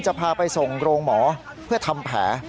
จะพาไปส่งโรงหมอเพื่อทำแผล